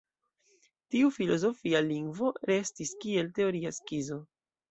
Tiu filozofia lingvo restis kiel teoria skizo.